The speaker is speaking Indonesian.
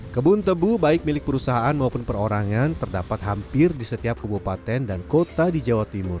kebun tebu baik milik perusahaan maupun perorangan terdapat hampir di setiap kebupaten dan kota di jawa timur